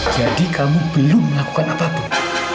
jadi kamu belum melakukan apapun